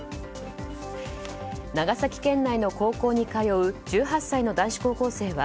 長崎県内の高校に通う１８歳の男子高校生は